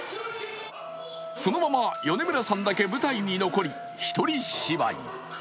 そのまま米村さんだけ舞台に残り一人芝居。